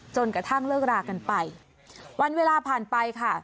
จนกระทั่งเลิกรากันไปวันเวลาผ่านไปค่ะ